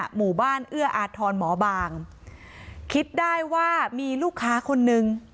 หมู่บ้านเอื้ออาทรหมอบางคิดได้ว่ามีลูกค้าคนนึง